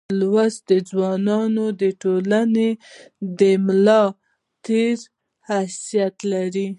لوستي ځوانان دټولني دملا دتیر حیثیت لري.